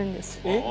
えっ？